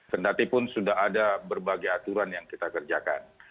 kendatipun sudah ada berbagai aturan yang kita kerjakan